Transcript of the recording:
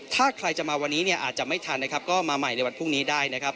ถ้าใครจะมาวันนี้เนี่ยอาจจะไม่ทันนะครับก็มาใหม่ในวันพรุ่งนี้ได้นะครับ